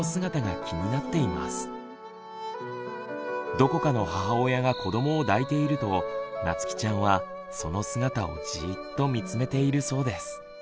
どこかの母親が子どもを抱いているとなつきちゃんはその姿をじっと見つめているそうです。